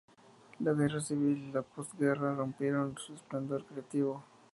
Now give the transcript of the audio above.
La guerra civil y la postguerra rompieron su esplendor creativo.